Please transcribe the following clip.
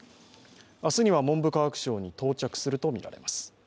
明日には文部科学省に到着するとみられます。